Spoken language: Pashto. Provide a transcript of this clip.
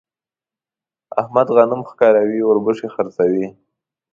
احمد غنم ښکاروي ـ اوربشې خرڅوي.